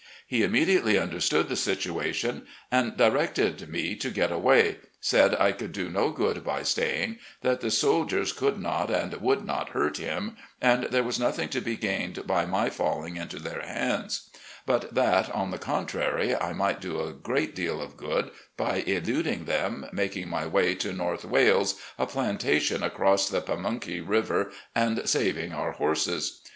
He immediately tmderstood the situation and directed me to get away — said I could do no good by staying, that the soldiers could not and would not hurt him, and there was nothing to be gained THE ARMY OF NORTHERN VIRGINIA 99 by my falling into their hands; but that, on the con trary, I might do a great deal of good by eluding them, making my way to " North Wales," a plantation across the Pamxmkey River, and saving our horses.